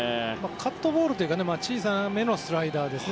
カットボールというか小さめのスライダーですね。